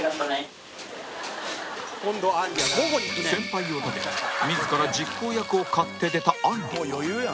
先輩を立て自ら実行役を買って出たあんり